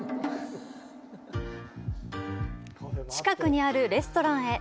近くにあるレストランへ。